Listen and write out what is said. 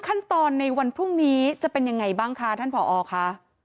ก็ว่าผ่านง่ายหน้าค่ะ